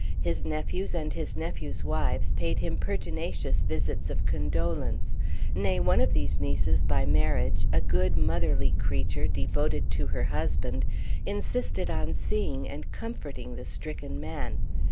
His nephews and his nephews' wives paid him pertinacious visits of condolence; nay, one of these nieces by marriage, a good, motherly creature, devoted Page 9 to her husband, insisted on seeing and comforting the stricken man.